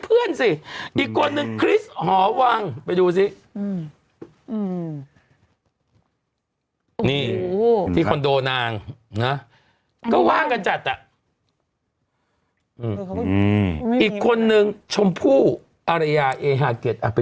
อืมที่คอนโดนางนะก็ว่างกันจัดอ่ะอีกคนนึงชมพู่อเรียเอหาะเก็ต